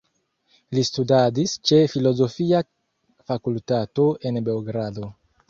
Li studadis ĉe filozofia fakultato en Beogrado.